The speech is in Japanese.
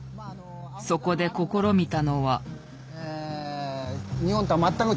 そこで試みたのは。